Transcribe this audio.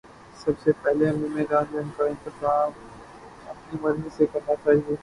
سب سے پہلے ہمیں میدان جنگ کا انتخاب اپنی مرضی سے کرنا چاہیے۔